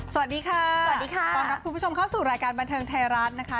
สวัสดีค่ะสวัสดีค่ะตอนนี้คุณผู้ชมเข้าสู่รายการพันธุ์ทัยรัศน์นะคะ